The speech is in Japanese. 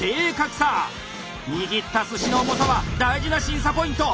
握った寿司の重さは大事な審査ポイント！